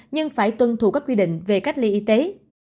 nhưng phải tuân thủ các quy định về cách ly y tế